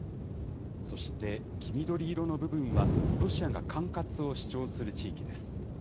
そして黄緑色の部分は、ロシアが管轄を主張する地域です。